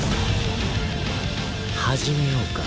始めようか。